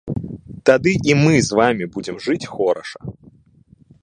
Тады і мы з вамі будзем жыць хораша.